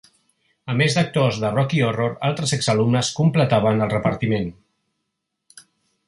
A més d'actors de "Rocky Horror", altres exalumnes completaven el repartiment.